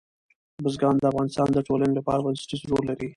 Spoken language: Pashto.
بزګان د افغانستان د ټولنې لپاره بنسټیز رول لري.